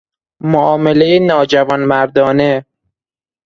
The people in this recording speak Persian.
معاملهی ناجوانمردانه